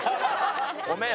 ごめん。